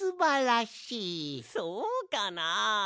そうかな？